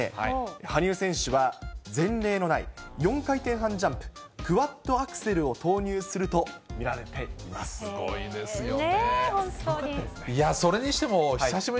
羽生選手は前例のない４回転半ジャンプ・クワッドアクセルを投入すごいですよね。